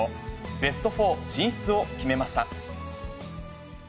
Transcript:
ベスト４進出を決めました。